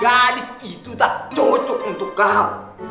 gadis itu tak cocok untuk kamu